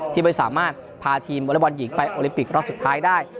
ที่ไม่สามารถพาทีมวอเล็กบอลหญิงไปโอลิปิกรอบสุดท้ายได้